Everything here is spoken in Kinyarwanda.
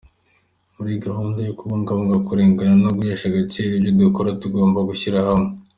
Muri gahunda yo kubungabunga , kurengera no guhesha agaciro ibyo dukora tugomba gushyira hamwe.